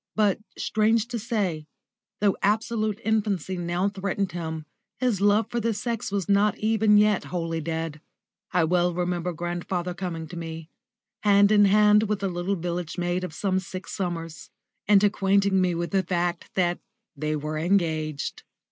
But, strange to say, though absolute infancy now threatened him, his love for the sex was not even yet wholly dead. I well remember grandfather coming to me, hand in hand with a little village maid of some six summers, and acquainting me with the fact that they were engaged.